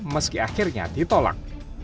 meski akhirnya ditolak